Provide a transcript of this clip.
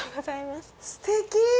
すてき。